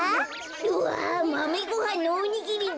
うわマメごはんのおにぎりだ。